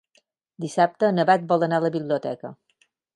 Dissabte na Bet vol anar a la biblioteca.